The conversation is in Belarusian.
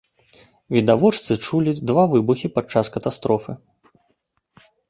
Відавочцы чулі два выбухі падчас катастрофы.